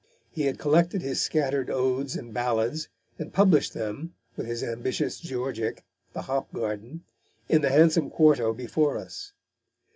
He had collected his scattered odes and ballads, and published them, with his ambitious georgic, The Hop Garden, in the handsome quarto before us.